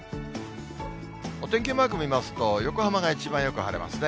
お天気マーク見ますと、横浜が一番よく晴れますね。